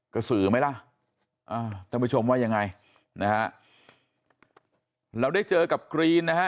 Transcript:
สื่อไหมล่ะอ่าท่านผู้ชมว่ายังไงนะฮะเราได้เจอกับกรีนนะฮะ